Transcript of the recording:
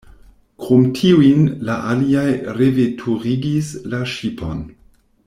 Krom tiujn, la aliaj reveturigis la ŝipon.